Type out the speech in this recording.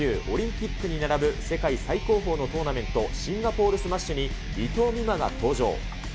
オリンピックに並ぶ世界最高峰のトーナメント、シンガポールスマッシュに、伊藤美誠が登場。